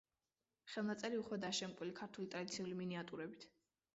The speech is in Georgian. ხელნაწერი უხვადაა შემკული ქართული ტრადიციული მინიატიურებით.